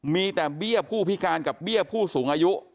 มีแต่เบี้ยผู้พิการกับเบี้ยผู้สูงอายุ